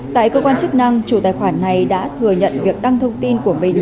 tại cơ quan chức năng chủ tài khoản này đã thừa nhận việc đăng thông tin của mình